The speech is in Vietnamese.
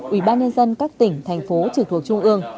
ủy ban nhân dân các tỉnh thành phố trực thuộc trung ương